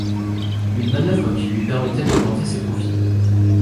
Une manoeuvre qui lui permettait d’augmenter ses profits.